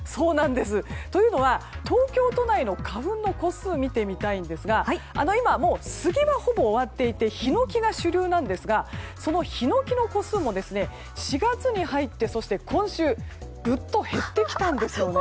というのは、東京都内の花粉の個数を見てみたいんですが今、スギはほぼ終わっていてヒノキが主流なんですがそのヒノキの個数も４月に入って今週、ぐっと減ってきたんです。